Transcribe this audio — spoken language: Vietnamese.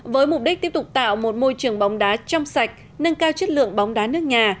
với mục đích tiếp tục tạo một môi trường bóng đá trong sạch nâng cao chất lượng bóng đá nước nhà